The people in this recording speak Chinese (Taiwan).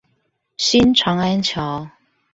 新長安橋